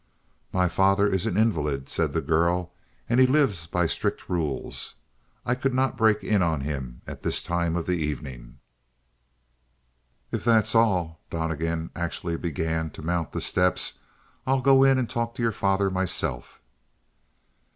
"My father is an invalid," said the girl. "And he lives by strict rules. I could not break in on him at this time of the evening." "If that's all" Donnegan actually began to mount the steps "I'll go in and talk to your father myself."